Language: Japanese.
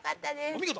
お見事！